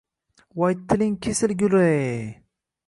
Voy, tiling kesilgur-ey